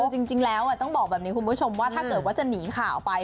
จริงแล้วเนี่ยคุณผู้ชมถ้าเกิดว่าจะหนีข่าวไป